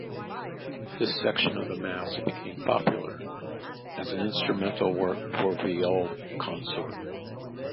This section of the mass became popular as an instrumental work for viol consort.